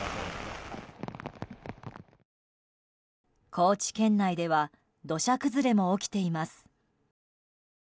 高知県内では土砂崩れも起きています。